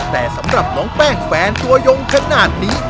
แต่สำหรับน้องแป้งแฟนตัวยงขนาดนี้